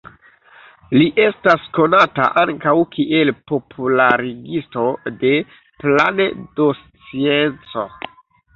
Li estas konata ankaŭ kiel popularigisto de planedoscienco.